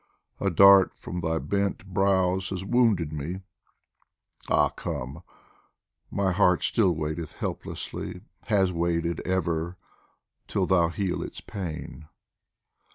A dart from thy bent brows has wounded me Ah, come ! my heart still waiteth helplessly, Has waited ever, till thou heal its pain.